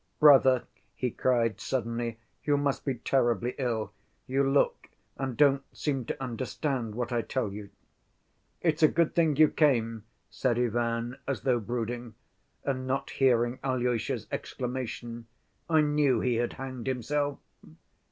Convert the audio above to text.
"Brother," he cried suddenly, "you must be terribly ill. You look and don't seem to understand what I tell you." "It's a good thing you came," said Ivan, as though brooding, and not hearing Alyosha's exclamation. "I knew he had hanged himself."